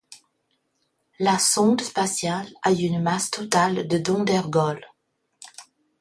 La sonde spatiale a une masse totale de dont d'ergols.